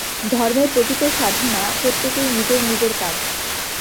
ধর্মের প্রকৃত সাধনা প্রত্যেকের নিজের নিজের কাজ।